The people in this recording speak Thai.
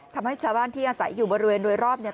ทำให้ชาวบ้านที่อาศัยอยู่บริเวณโดยรอบเนี่ย